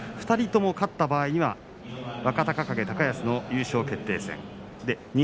２人とも勝った場合には若隆景と高安の優勝決定戦です。